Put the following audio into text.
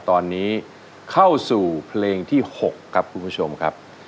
ตอนนี้เข้าสู่เพลงที่๖ครับคุณผู้ชมครับ